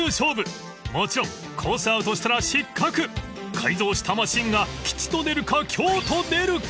［改造したマシンが吉と出るか凶と出るか］